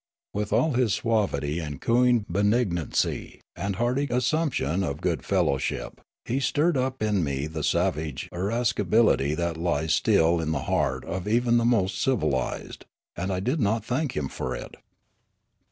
With all his suavity and cooing benignancy and hearty assumption of good fellowship, he stirred up in me the savage irascibility that lies still in the heart of even the most civilised ; and I did not thank him for it.